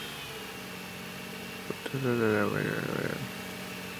Список научных трудов Михеевой Н.Ф.